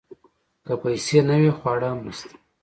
که پیسې نه وي خواړه هم نشته .